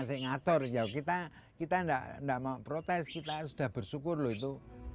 saya ngatur ya kita tidak mau protes kita sudah bersyukur loh itu